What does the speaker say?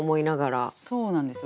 そうなんですよ。